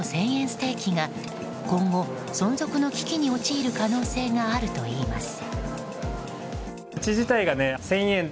ステーキが今後存続の危機に陥る可能性があるといいます。